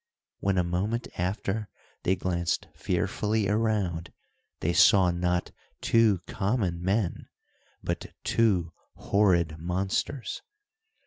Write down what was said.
When a moment after they glanced fearfully around, they saw not two common men, but two horrid monsters.